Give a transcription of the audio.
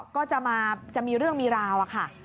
ก็จะมีเรื่องมีราวอะค่ะ